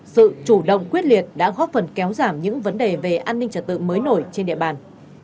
sự chủ động quyết liệt đã góp phần kéo giảm những vấn đề về an ninh trật tự mới nổi trên địa bàn